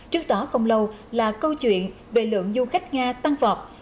trước đó không lâu là câu chuyện về lượng du khách nga tăng vọt